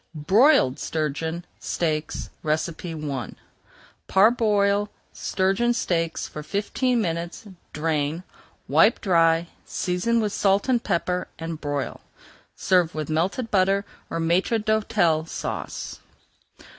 BROILED STURGEON STEAKS I Parboil sturgeon steaks for fifteen minutes, drain, wipe dry, season with salt and pepper, and broil. Serve with melted butter or Maître d'Hôtel Sauce.